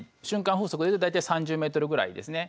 風速で言うと大体３０ｍぐらいですね。